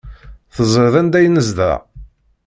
Teẓriḍ anda ay nezdeɣ?